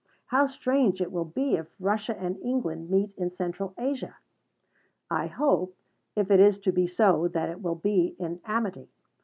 How strange it will be if Russia and England meet in Central Asia! I hope, if it is to be so, that it will be in amity.